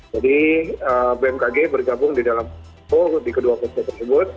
jadi bmkg bergabung di dalam poh di kedua post co tersebut